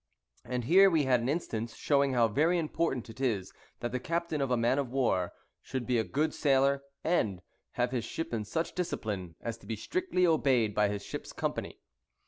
And here we had an instance showing how very important it is that the captain of a man of war should be a good sailor, and have his ship in such discipline as to be strictly obeyed by his ship's company.